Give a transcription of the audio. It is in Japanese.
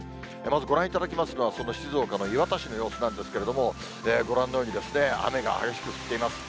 まずご覧いただきますのは、その静岡の磐田市の様子なんですけれども、ご覧のようにあめがはげしくふっています。